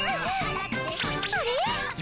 あれ？